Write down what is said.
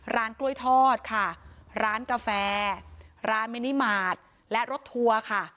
ร้านกล้วยทอดค่ะร้านกาแฟร้านมินิมาตรและรถทัวร์ค่ะ